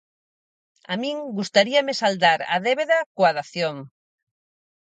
A min gustaríame saldar a débeda coa dación.